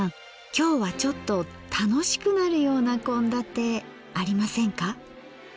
今日はちょっと楽しくなるような献立ありませんか？